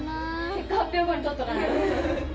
結果発表後に取っとかないと。